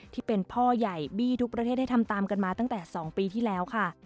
ที่เป็นพ่อใหญ่บี้ทุกประเทศได้ทำตามกันมาตั้งแต่๒ปีที่แล้วค่ะ